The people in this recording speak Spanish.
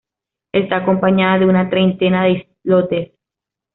Está acompañada de una treintena de islotes.